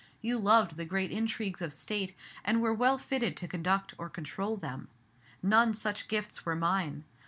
You loved the great intrigues of state, and were well fitted to conduct or control them. None such gifts were mine.